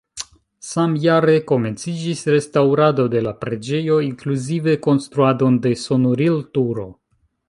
Samjare komenciĝis restaŭrado de la preĝejo, inkluzive konstruadon de sonorilturo.